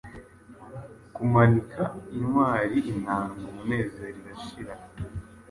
Kumanika intwari inanga-umunezero irashira